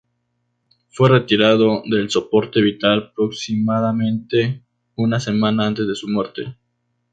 Fue retirado del soporte vital aproximadamente una semana antes de su muerte.